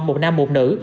một nam một nữ